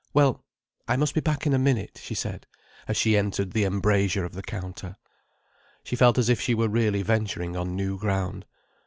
"Well—I must be back in a minute," she said, as she entered the embrasure of the counter. She felt as if she were really venturing on new ground.